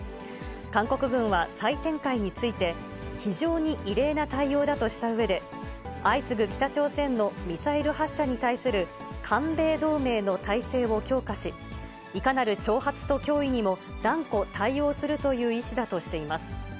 韓国軍は再展開について、非常に異例な対応だとしたうえで、相次ぐ北朝鮮のミサイル発射に対する韓米同盟の態勢を強化し、いかなる挑発と脅威にも断固対応するという意志だとしています。